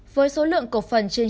với số lượng cổ phần trên chín mươi một